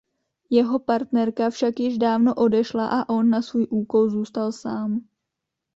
Jeho partnerka však již dávno odešla a on na svůj úkol zůstal sám.